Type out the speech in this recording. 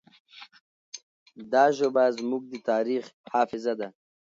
دا ژبه زموږ د تاریخ حافظه ده.